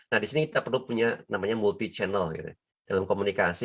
nah di sini kita perlu punya namanya multi channel dalam komunikasi